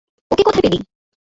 ওকে কোথায় পেলি?